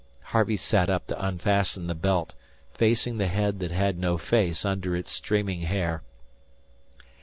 Harvey sat up to unfasten the belt, facing the head that had no face under its streaming hair.